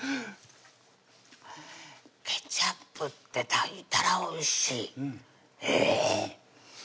ケチャップって炊いたらおいしいうんえぇ！